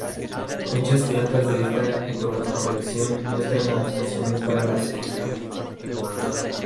Muchas plantas de esta ecorregión muestran adaptaciones para la sequía.